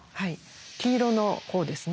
黄色の方ですね。